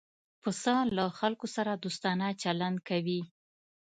پسه له خلکو سره دوستانه چلند کوي.